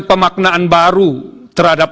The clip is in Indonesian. pemaknaan baru terhadap